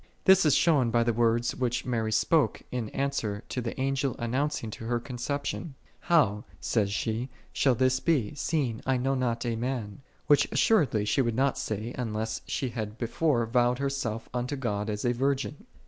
This is shown by the words which Mary spake in answer to the Angel announc ing to her her conception; " How/' saith she, " shall this be, seeing I know not a man?"3 Which assuredly she would not say, unless she had before vowed herself unto God as a virgin.